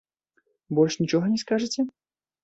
Больш нічога не скажаце?